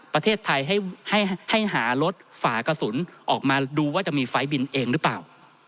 ประเทศไทยให้หารถฝากระสุนออกมาดูว่าจะมีไฟล์บินเองหรือเปล่า